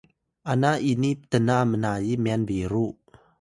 ana ini ptna mnayi myan biru